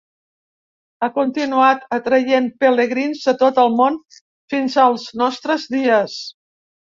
Ha continuat atraient pelegrins de tot el món fins als nostres dies.